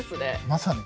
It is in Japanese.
まさに。